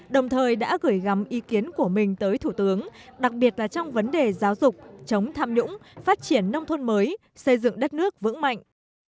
đồng thời đã gửi gắm ý kiến của mình tới thủ tướng đặc biệt là trong vấn đề giáo dục chống tham nhũng phát triển nông thôn mới xây dựng đất nước vững mạnh